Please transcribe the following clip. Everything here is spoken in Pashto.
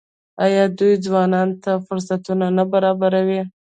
آیا دوی ځوانانو ته فرصتونه نه برابروي؟